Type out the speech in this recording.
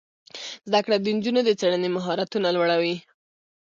زده کړه د نجونو د څیړنې مهارتونه لوړوي.